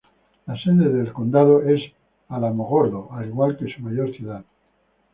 La sede del condado es Alamogordo, al igual que su mayor ciudad.